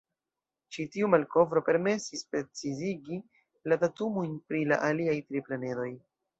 Ĉi tiu malkovro permesis precizigi la datumojn pri la aliaj tri planedoj.